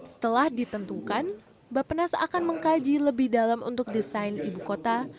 setelah ditentukan bapenas akan mengkaji lebih dalam untuk desain ibu kota